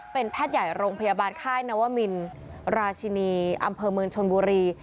เป็นแพทย์ใหญ่โรงพยาบาลค่ายนวมินราชินีอำเภอเมืองชนบุรี